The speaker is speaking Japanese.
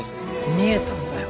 見えたんだよ